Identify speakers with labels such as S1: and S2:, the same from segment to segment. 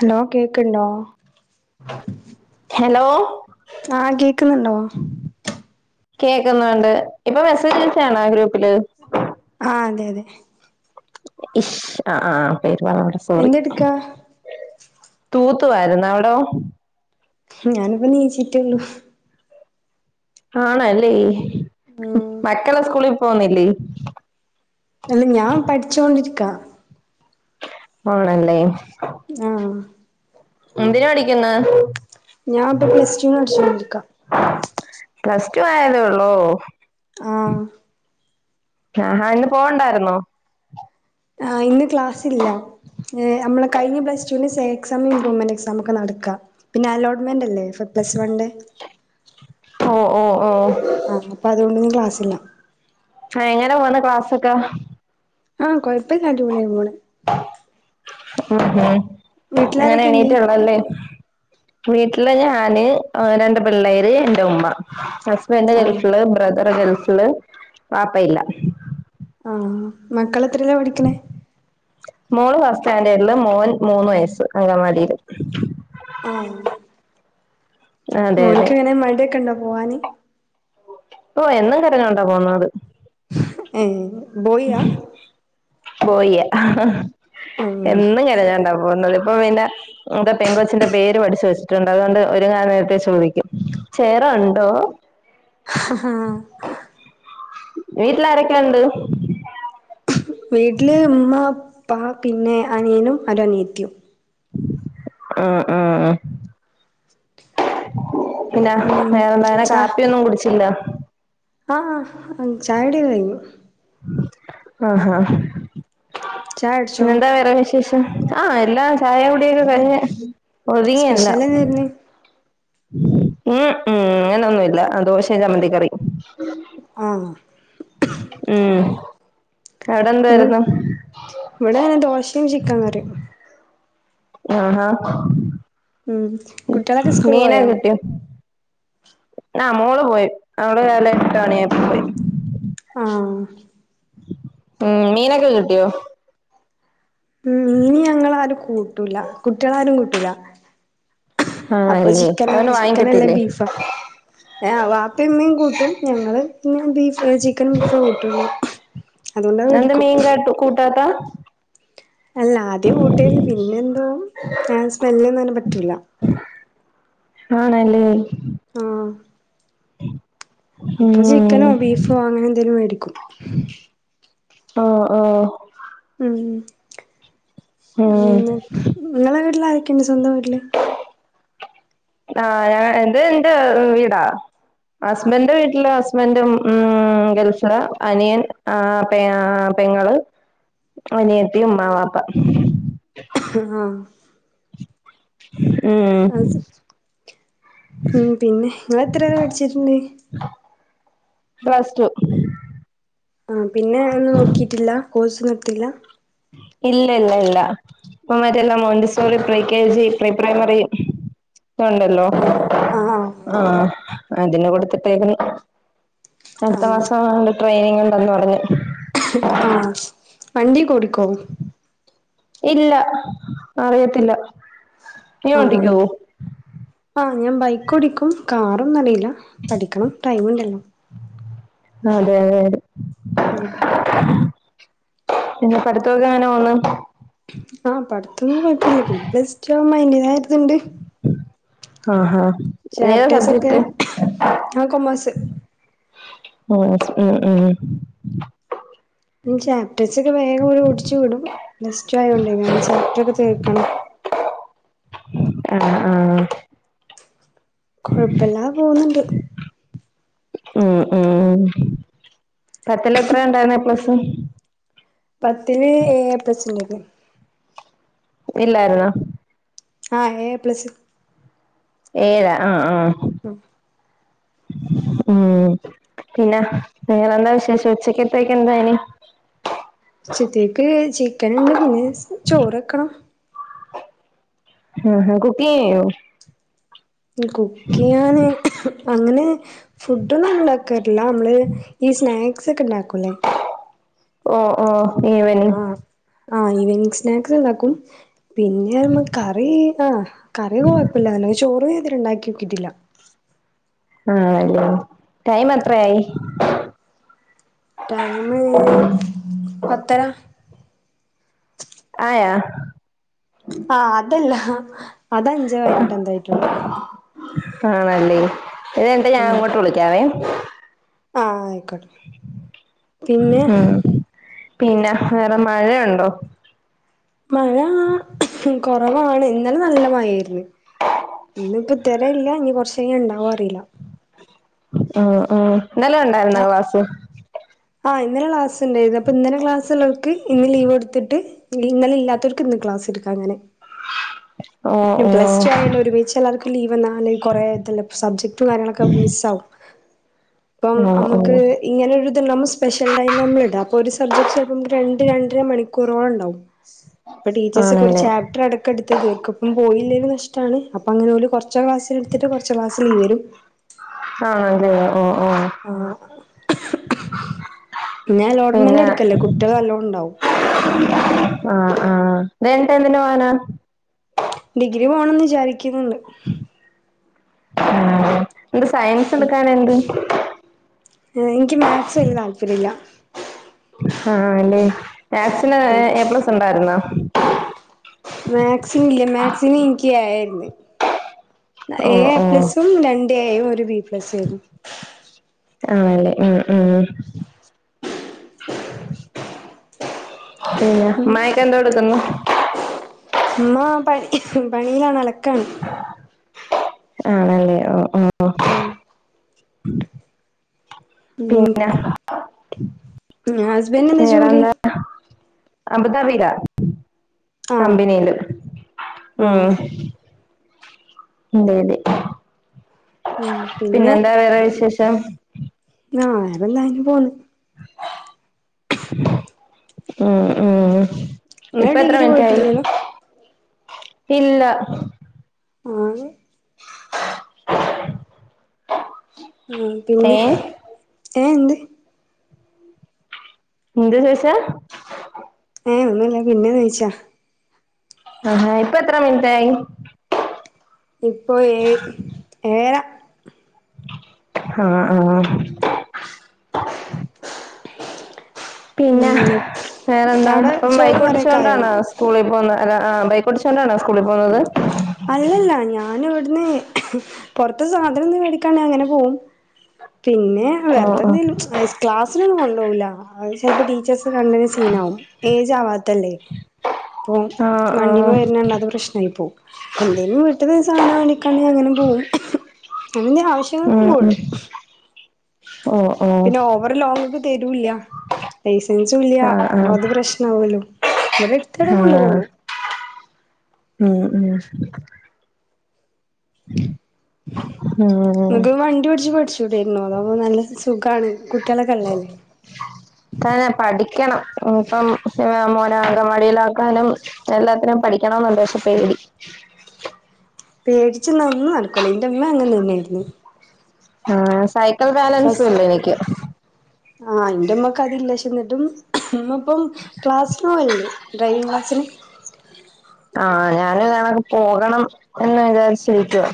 S1: Hello കേക്ക്‌ണ്ടോ
S2: hello
S1: ആ കേക്കുന്നുണ്ടോ
S2: കേൾക്ക്ന്നുണ്ട് ഇപ്പൊ മെസ്സേജ്ച്ചണാ ഗ്രൂപ്പില്
S1: ആ അതെ അതെ
S2: ഇഷ് ആ ആ പേരുപറഞ്ഞവടെ സോറി
S1: എന്തെടുക്കാ
S2: തൂത്തുവാരുന്ന അവിടെ
S1: ഞാനിപ്പ നീച്ചിട്ടൊള്ളൂ
S2: ആണല്ലേ
S1: ഉം
S2: മക്കള സ്കൂളി പോവുന്നില്ലേ
S1: അല്ല ഞാൻ പഠിചോണ്ടിരിക്കാ
S2: ആണല്ലേ
S1: ആ
S2: എന്തിന പഠിക്കുന്നെ
S1: ഞാൻ ഇപ്പൊ പ്ലസ് ടുന് പഠിച്ചോണ്ടിരിക്കാ
S2: പ്ലസ് ടു ആയതേ ഒള്ളൂ
S1: ആഹ്
S2: ആഹ് ഇന്ന് പോവണ്ടായിരുന്നോ
S1: ആഹ് ഇന്ന് ക്ലാസ്സില്ല ഏഹ് അമ്മള് കഴിഞ്ഞ പ്ലസ് ടുന് സേഎക്സാം ഇമ്പ്രൂവ്മെന്റ് എക്സാം ഒക്കെ നടക്ക പിന്നെ അലോട്ട്മെന്റ് അല്ലേ എ ഫർ പ്ലസ് വണ്ടെ
S2: ഓ ഓ ഓ
S1: ആ അപ്പ അതോണ്ടിന്ന് ക്ലാസ്സില്ല
S2: ആഹ് എങ്ങനെ പോന്ന് ക്ലാസ്സൊക്കെ
S1: ആഹ് കൊഴപ്പല്ലാടിപൊളിയായിപോണ്
S2: ഊംഹ് അങ്ങനെ
S1: വീട്ടിലാരൊക്കെണ്ട്
S2: എണീറ്റാണല്ലേ വീട്ടില് ഞാന് രണ്ട് പിള്ളേര് എന്റെ ഉമ്മ ഹസ് ബന്റ്
S1: ആഹ്
S2: ഗൽഫില് ബ്രദറ് ഗൽഫില് ബാപ്പ ഇല്ല
S1: ആഹ് മക്കളെത്രീലാ പഠിക്ക്ന്നെ
S2: മോള് ഫസ് സ്റ്റാൻഡേഡില് മോൻ മൂന്ന് വയസ്സ് അങ്കവാടീല്
S1: ആഹ്
S2: അതെ അതെ
S1: മോന്ക്കെങ്ങനെ മടിക്കെണ്ടോ പോവാന്
S2: ഓ എന്നും കരഞ്ഞോണ്ടോ പോന്നത്
S1: ഏ ബോയിയാ
S2: ബോയിയാ
S1: ആഹ്
S2: എന്നും കരഞ്ഞോണ്ടാ പോന്നത് ഇപ്പൊ പിന്നെ എന്തൊ പെങ്കൊച്ചിന്റെ പേര് പഠിച്ചു വെച്ചിട്ടുണ്ട് അതുകൊണ്ട് ഒരുങ്ങാ നേരത്തെ ചോദിക്കും സേറ ഒണ്ടോ
S1: ഹഹഹാ
S2: വീട്ടിലാരൊക്കെയൊണ്ട്
S1: വീട്ടില് മ്മ പ്പാ പിന്നെ അനിയനും ഒരനിയത്തിയും
S2: ആഹ് ആഹ് ആഹ് പിന്നെ
S1: ഉം
S2: വേറെന്താങ്ങന
S1: ച
S2: കാപ്പിയൊന്നും കുടിച്ചില്ല
S1: ആഹ് ചായടികെ കയ്ഞ്
S2: ആഹാ
S1: ചായ കുടിച്ചോ
S2: പിന്നെന്താ വേറെ വിശേഷം ആഹ് എല്ലാ ചായ കൂടിയൊക്കെ കഴിഞ്ഞ്
S1: സ്പെഷ്യൽ
S2: ഒത്ങ്ങിയെല്ലാം
S1: എന്തായിരുന്നു
S2: ഉം ഉം അങ്ങനൊന്നുമില്ല ദോശേം ചമ്മന്തി കറി
S1: ആഹ്
S2: ഉം
S1: പിന്നെ
S2: അവിടെന്തുവാരുന്നു
S1: ഇവിടെ ദോശേം ചിക്കൻ കറിം
S2: ആഹാ
S1: ഉം കുട്ട്യളക്കെ സ്കൂള് പോയോ
S2: ആഹ് മോള് പോയി അവള് രാലെ എട്ട് മണിയായപ്പോ പോയി
S1: ആഹ്
S2: ഉം മീനക്ക കിട്ടിയോ
S1: ഉ മീനി ഞങ്ങളാരും കൂട്ടൂല കുട്ട്യളാരും കൂട്ടൂല അപ്പൊ
S2: ആണല്ലേ
S1: ചിക്കനാ
S2: അവന്
S1: ചിക്കനല്ലേ
S2: വാങ്ങിക്കത്തില്ലേ
S1: ബീഫാ ഏ വാപ്പേമ്മേം കൂട്ടും ഞങ്ങള് പിന്നെ ബീഫ് ക്കനും ബീഫേ കൂട്ടുള്ളൂ അതുകൊണ്ടാ വേടിക്കും
S2: ട്ടാതാ
S1: അല്ലാദ്യം കൂട്ടേരുന്നു പിന്നെന്തോ സ്മെലൊന്നും ആനെ പറ്റൂല്ല
S2: ആണല്ലേ
S1: ആഹ് അപ്പൊ ചിക്കനോ ബീഫോ അങ്ങനെ എന്തേലും മേടിക്കും
S2: ഉംഉം ഓ ഓഹ്
S1: ഉം
S2: ഉം
S1: പിന്നെ നിങ്ങളെ വീട്ടില് ആരൊക്കെയുണ്ട് സ്വന്തം വീട്ടില്
S2: ആഹ് ഞാൻ ഇത് എന്റെ വീടാ ഹസ്ബൻഡ് വീട്ടില് ഹസ്ബൻും ഉം ഗൽഫിൽ അനിയൻ ആ പെങ്ങള്, അനിയത്തി, ഉമ്മ, വാപ്പ
S1: ആഹ്
S2: ഉം
S1: ഉം പിന്നെ നിങ്ങൾ എത്ര വരെ പഠിച്ചിട്ടുണ്ട്
S2: ഫസ്റ്റ്
S1: ആ പിന്നെ ഒന്നും നോക്കിയിട്ടില്ല കോഴ്സ് ഒന്നും എടുത്തില്ല
S2: ഇല്ല ഇല്ല ഇല്ല അത് മാത്രല്ല Montessori pre K G, pre primary ഒക്കെ ഒണ്ടല്ലോ
S1: ആഹ് ആഹ് ആഹ്
S2: ആ അതിന് കൊടുത്തിട്ടേക്ക്ന്ന് അടുത്ത
S1: ആഹ്
S2: മാസം ആവുമ്പോ ട്രെയിനിങ് ഉണ്ടന്ന് പറഞ്ഞു.
S1: ആഹ് വണ്ടി കൊടു- ക്കും
S2: ഇല്ല അറിയത്തില്ല നീ
S1: ആഹ്
S2: ഓട്ടിക്കുവോ
S1: ആ ഞാൻ ബൈക്ക് ഓടിക്കും. കാറൊന്നും അറിയില്ല. പഠിക്കണം ടൈം ഇണ്ടല്ലോ
S2: അതെ അതെ
S1: ഉം
S2: പിന്നെ പഠിത്തൊക്കെ എങ്ങനെ പോണ്?
S1: ആ പഠിത്തൊന്നും കൊഴപ്പല്ല. പിന്നെ പ്ലസ് ടു ആവുമ്പോ അയ്‌ന്റെതായ ഒരു ഇത്ണ്ട്
S2: ആ ഹാ നീ ഏതാ
S1: ചാപ്റ്റേഴ്സ് ഒക്കെ
S2: സബ്ജക്ട്?
S1: ഞാൻ കൊമേഴ്സ്
S2: ഉം ഉം ഉം
S1: ഇനി ചാപറ്റേർസ് ഒക്കെ വേഗം ഇങ്ങനെ ഓടിച്ചു വിടും. പ്ലസ് ടു ആയത് കൊണ്ടേ ചാപ്റ്ററൊക്കെ തീർക്കണം
S2: ആ ആ
S1: കൊഴപ്പല്ലാതെ പോവുന്നുണ്ട്
S2: ഉം ഉം പത്തിൽ എത്ര ഇണ്ടായിരുന്നു എ പ്ലസ്?
S1: പത്തില് ഏ എ പ്ലസ് ഇണ്ടായിരുന്നു.
S2: ഇല്ലായിരുന്നോ
S1: ആ ഏയ് എ പ്ലസ്
S2: ഏഴ് ആഹ് ആഹ് ഉം പിന്നെ വേറെ എന്താ വിശേഷം ഉച്ചക്കത്തേക്ക് എന്താ ഇനി
S1: ഉച്ചക്കത്തെക്ക് ചിക്കൻ ഉണ്ട്. പിന്നെ ചോറ് വെക്കണം
S2: ആഹ് കുക്കിംഗ് ചെയ്യോ
S1: ആ കുക്ക് ചെയ്യാന് അങ്ങനെ ഫുഡൊന്നും ഉണ്ടാക്കാറില്ല. നമ്മള് ഈ സ്നാക്സ് ഒക്കെ ഇണ്ടാക്കൂല്ലേ
S2: ഓ ഓ ഈവനിംഗ്
S1: ആ ആ ഈവനിങ് സ്നാക്സ് ഉണ്ടാക്കും. പിന്നെ നമ്മ- കറി ആ കറി ഒന്നും കൊഴപ്പല്ല. പിന്നെപ്പോ ചോറൊന്നും ഇത് വരെ ഇണ്ടാക്കി നോക്കിട്ടില്ല.
S2: ആണല്ലേ. ടൈം എത്ര ആയി?
S1: ടൈമ് പത്തര
S2: ആയോ
S1: ആ അതല്ല അത് അഞ്ചു മിനിറ്റ് എന്തോ ആയിട്ടൊള്ളൂ.
S2: ആണല്ലേ. അത് കഴിഞ്ഞിട്ട് ഞാൻ അങ്ങട്ട് വിളിക്കാവേ.
S1: ആ അയ്ക്കോട്ടെ
S2: ഉം പിന്നെ വേറെ മഴയുണ്ടോ?
S1: മഴ കൊറവാണ് ഇന്നലെ നല്ല മഴേരുന്നു. ഇന്നിപ്പോ തൊ - ഇപ്പോ ഇല്ല. ഇനി കൊറച്ച് കഴിഞ്ഞ് ഇണ്ടാവോ അറീല്ല.
S2: ആ ആ ഇന്നലെ ഇണ്ടായിരുന്നോ ക്ലാസ്സ്?
S1: ആ ഇന്നലെ ക്ലാസ് ഇണ്ടായിന്നു. ഇപ്പൊ ഇന്നലെ ക്ലാസ് ഇള്ളവർക്ക് ഇന്ന് ലീവൊടുത്തിട്ട് ഇന്നലെ ഇല്ലാത്തവർക്ക് ഇന്ന് ക്ലാസ്ടുക്കും അങ്ങനെ.
S2: ഓ ഓ
S1: പ്ലസ് ടു ആയോണ്ട് ഒരു ബാച്ച്കാർക്ക് ലീവ് വന്നാ കൊറെ ഇത് സബ്ജക്ടും കാര്യങ്ങളൊക്കെ മിസ്സാവും. ഇപ്പൊ
S2: ഓ ഓ
S1: അമ്മക്ക് ഇങ്ങനെ ഒരുത് ഇണ്ടാവുമ്പോ സ്പെഷ്യൽ ടൈമ് നമ്മള് ഇടാ ഒരു സബ്ജക്ട് ചെലപ്പൊ രണ്ട് രണ്ടര മണിക്കൂറോളം ഇണ്ടാവും. അപ്പെ ടീച്ചേഴ്സ് ഒക്കെ ഒരു
S2: ആണല്ലേ
S1: ചാപ് - റ്ററടക്കെടുത്ത് തീർക്കും. അപ്പ പോയില്ലെങ്കി നഷ്ടാണ്. അപ്പൊ അങ്ങനെ ഓല് കൊറ്ച്ച് ക്ലാസ്സിലിട്ത്ത് എടുത്തിട്ട് കൊറച്ച് ക്ലാസ്സില് യേരും.
S2: ആ അതെ ഓ ഓ
S1: ആഹ് ഞാൻ ലോട്ട്മെന്റ്
S2: പിന്നെ
S1: എടുക്കല്ലേ കുട്ട്യേൾ നല്ലോം ഇണ്ടാവും.
S2: ആഹ് ആഹ് തേ [unintelligible] എന്തിന [unintelligible]
S1: ഡിഗ്രി പോകണംന്ന് വിചാരിക്കുന്നുണ്ട്.
S2: ആഹ് എന്ത് സയൻസ് എട്ക്കാഞ്ഞെന്ത്
S1: ഇനിക്ക് മാക്സ് വെല്ല്യ താല്പര്യല്ല.
S2: ആഹ് അല്ലേ മാക്സിന് എ പ്ലസ് ഇണ്ടായിരുന്നോ.
S1: മാക്സിന് ഇല്ലേ മാക്സിന് ഇനിക്ക് ഏയാര്ന്നു.
S2: ഓ
S1: ഏയ് എ
S2: ഓ
S1: പ്ലസും രണ്ട് എയും ഒരു ബി പ്ലസു ഏരുന്നു
S2: ആഹ് ലെ [unintelligible] ഉം ഉം പിന്നെ മയക്കന്താ കൊടുക്കുന്ന്.
S1: ഇമ്മ പ പണയിലാണ് അലക്കാണ്
S2: ആണെല്ലേ ഓ ഓ
S1: ഉം ഉം
S2: പിന്നെ
S1: അസ്
S2: നേറന്താ [unintelligible] അ റീല
S1: ആഹ്
S2: കമ്പിനീല്
S1: ആഹ്
S2: ഉം [unintelligible]
S1: ഉം പിന്നെ
S2: പിന്നെന്താ വേറെ വിശേഷം
S1: ആഹ് ആരെല്ലാരും പോന്ന്
S2: ആഹ് ആഹ് ഇപ്പ
S1: ഇങ്ങള്
S2: എത്ര
S1: ഡിഗ്രി
S2: മിൻറ്റായി
S1: പോയിട്ടില്ലല്ലോ
S2: ഇല്ല
S1: ആഹ് ആഹ്
S2: ഏ
S1: പിന്നെ ഏഹ് എന്ത്
S2: എന്ത് ചോയ്സാ
S1: ഏ ഒന്നുല്ല പിന്നെ നീച്ചാ
S2: ആഹാ ഇപ്പ എത്ര മിനിറ്റായി.
S1: ഇപ്പോ ഏയ് ഏയര
S2: ഹാ ആഹ് പിന്നെ
S1: ഉം
S2: വേറെ എന്താ
S1: അവിടെ
S2: അപ്പം
S1: ചോറും കറിയൊക്കെ ആയോ
S2: ബൈക്കൊട്ടിച്ചോണ്ടാണോ സ്കൂളിൽ പോകുന്ന അല്ല ആഹ് ബൈക്കോടിച്ചോണ്ടണോ സ്കൂളിൽ പോകുന്നത്
S1: അല്ലല്ല ഞാന ഇവിടുന്ന് പൊറത്തെ സാധനംന്ന് മേടിക്കാണ്ടെ അങ്ങനെ പോകും പിന്നെ
S2: ഓ ഓ
S1: വെറുതെന്തേലും ക്ലാസ്സിനൊന്നും കൊണ്ടോകില്ല ഐ ചെലപ്പോ ടീച്ചേസ് ത് കണ്ട്നെ സീനാകും ഏജ് ആവാത്തല്ലേ അപ്പൊ
S2: ആ ആ
S1: വണ്ടിമ്മ വരുന്നണ്ടാ ത് പ്രശ് ആയി പോ പ്പ എന്തേലും വീട്ട്ലെ സാനം വെടിക്കാണ്ടെ അങ്ങനെ പോകും അങ്ങന്തേ ആവശ്യ
S2: ആഹ് ഉം ഓഹ്
S1: പിന്നെ ഓവർ ലോങ്‌ക്ക് തരൂല്ല ലൈസൻസും ഇല്ല
S2: ആ
S1: പ്പ അത് പ്രശ്ന ആവല്ലോ
S2: ആഹ് ഉം ഉം ഉം
S1: ങ്ങക്ക് വണ്ടി ഓടിച്ച് പഠിച്ചുടെയിരുന്നോ അതവുമ്പോ നല്ല സുഖാണ് കുട്ടികളൊക്കെ ള്ള ല്ലേ
S2: തന്നെ പഠിക്കണം ഇപ്പം മോനെ അങ്കവാടിയിലാക്കാനും എല്ലാത്തിനും പഠിക്കണംന്ന്ണ്ട് ഷേ പേടി
S1: പേടിച്ന്ന ഒന്നും നടക്കൂല ന്റെ ഇമ്മ അങ്ങനെന്നെഞ്ഞി
S2: ആഹ് സൈക്കിൾ ബാലൻസ്
S1: ഫസ്റ്റ്
S2: ല്ല എനിക്ക്
S1: ആഹ് ന്റെറമ്മക്കെ അതില്ല ഷേ ന്നിട്ടും മ്മ പ്പം ക്ലാസ്ന് പോവൽണ്ട് ഡ്രൈവിങ് ക്ലാസ്സിന്
S2: ആഹ് ഞൻ ങ്ങനെ പോകണം എന്ന് വിചാരിച്ചിരിക്കുവ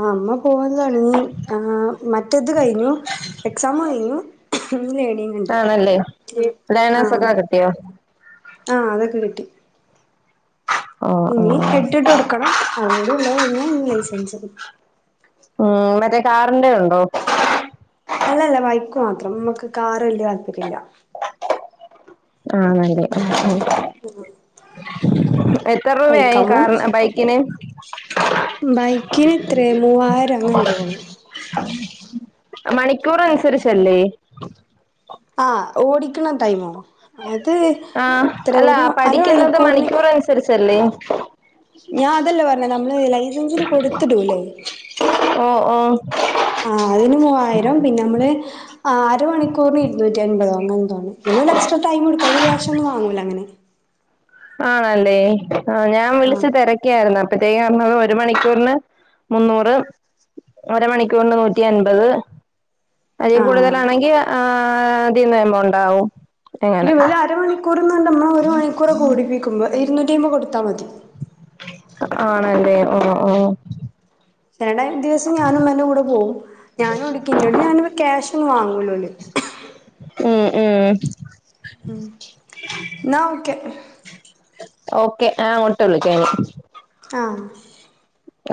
S1: ആഹ് മ്മ പോവല് തൊടങ്ങി ആഹ് മറ്റേ ത് കഴിഞ്ഞു എക്സാം കഴിഞ്ഞു ഇനി ലേണിങ്ണ്ട്
S2: ആണല്ലേ
S1: [unintelligible] ആഹ്
S2: ലയണേഴ്സൊക്കെ കിട്ടിയോ
S1: ആഹ് അതൊക്കെ കിട്ടി
S2: ആഹ്
S1: ഇനി
S2: ആഹ്
S1: എട്ടിട്ട് കൊടുക്കണം അതും കൂടി ഉള്ള [unintelligible] ലൈസൻസ് കി
S2: ഉം മറ്റേ കാറിന്റെ ഉണ്ടോ
S1: അല്ലല്ല ബൈക്ക് മാത്രം നമുക്ക് കാറ് വല്യ താല്പര്യം ഇല്ല
S2: ആഹ് നല്ലഹ് എത്ര രൂപായി
S1: ബൈക്കാവുമ്പം
S2: കാറ് ബൈക്കിന്
S1: ബൈക്കിന് എത്രേ മൂവായിരം അങ്ങനെ തോന്നുന്നു
S2: ആ മണിക്കൂർ അനുസരിച്ചല്ലേ
S1: ആഹ് ഓടിക്കണ ടൈമോ അത്
S2: ആഹ്
S1: എത്ര
S2: അല്ലാ
S1: ഒരു
S2: പഠിക്കുന്നത്
S1: അരമണിക്കൂറിന്
S2: മണിക്കൂർ അനുസരിച്ചല്ലേ
S1: ഞാൻ അതല്ലേ പറഞ്ഞ നമ്മള് ലൈസൻസിന് കൊടുത്തിടുല്ലേ
S2: ഓഹ് ഓഹ്
S1: ആഹ് അയ്ന് മൂവായിരം പിന്നെ നമ്മള് അര മണിക്കൂറിന് ഇരുന്നൂറ്റി അൻപതോ അങ്ങ [unintelligible] പിന്നെ ഒരു എക്സ്ട്ര ടൈംടുക്ക അയ്‌ന് ക്യാശൊന്നും വാങ്ങൂല്ല അങ്ങനെ
S2: ആണല്ലേ ആഹ് ഞാൻ
S1: ആഹ്
S2: വിളിച്ചു തിര ക്കായിരുന്നു അപ്പത്തേക്ക് പറഞ്ഞത് ഒരു മണിക്കൂറിന് മുന്നൂറ് ഒര മണിക്കൂറിന് നൂറ്റി അൻപത് അതി
S1: ആഹ്
S2: കൂടുതലാണെങ്കി ആഹ് അതിന്ന് വരുമ്പോ ഉണ്ടാവും
S1: ഇനി [unintelligible] അരമണൂർന്ന് ന്റെമ്മ ഒരു മണിക്കൂറെ കൂടിപ്പിക്കു മ്മ ഇരൂന്നൂറ്റി അയ്മ്പഹ് കൊട്ത്താ മതി
S2: ആണല്ലേ ഓഹ് ഓഹ്
S1: തെടെ ദിവസം ഞാനും മ്മാന്റെ കൂടെ പോവും ഞാനും ഓടിക്കും ന്നോട് അങ്ങനെ ക്യാഷ് ഒന്നും വാങ്ങൂല ഓല്
S2: ഉം ഉം
S1: ഉം ന്നാ ഓക്കെ
S2: ഓക്കെ നാങ്ങോട്ട് വിളിക്കാം
S1: ആഹ്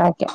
S2: ഓക്കെ.